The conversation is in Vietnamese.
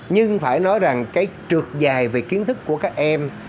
nhưng phải nói rằng cái trượt dài về kiến thức của các em